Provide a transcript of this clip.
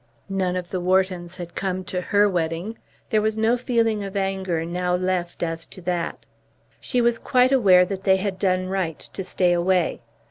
None of the Whartons had come to her wedding. There was no feeling of anger now left as to that. She was quite aware that they had done right to stay away.